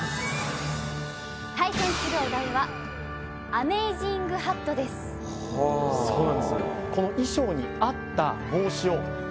対戦するお題は「アメイジングハット」ですそうなんですよ